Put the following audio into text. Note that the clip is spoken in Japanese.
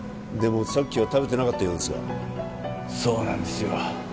でもさっきは食べてなかったようですがそうなんですよ